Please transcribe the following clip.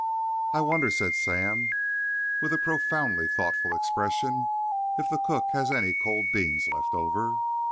"I wonder," said Sam, with a profoundly thoughtful expression, "if the cook has any cold beans left over!"